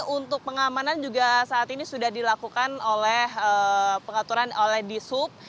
untuk pengamanan juga saat ini sudah dilakukan oleh pengaturan oleh disub